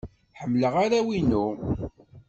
Ḥemmleɣ arraw-inu.